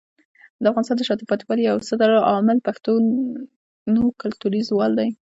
د افغانستان د شاته پاتې والي یو ستر عامل پښتنو کلتوري زوال دی.